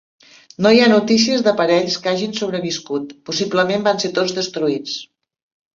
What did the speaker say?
No hi ha notícies d'aparells que hagin sobreviscut, possiblement van ser tots destruïts.